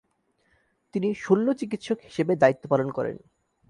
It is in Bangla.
তিনি শল্যচিকিৎসক হিসেবে দায়িত্ব পালন করেন।